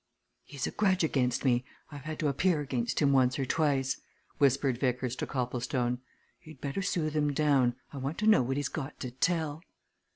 "He's a grudge against me I've had to appear against him once or twice," whispered Vickers to Copplestone. "You'd better soothe him down I want to know what he's got to tell."